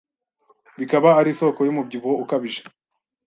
bikaba ari isoko y’umubyibuho ukabije